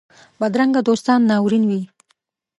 بدرنګه دوستان ناورین وي